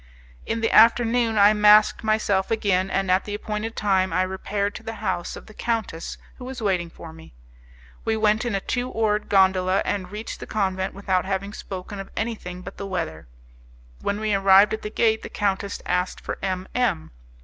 In the afternoon I masked myself again, and at the appointed time I repaired to the house of the countess who was waiting for me. We went in a two oared gondola, and reached the convent without having spoken of anything but the weather. When we arrived at the gate, the countess asked for M M